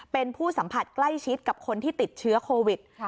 เป็นผู้สัมผัสใกล้ชิดกับคนที่ติดเชื้อโควิด